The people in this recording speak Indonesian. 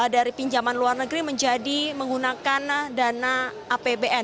dari pinjaman luar negeri menjadi menggunakan dana apbn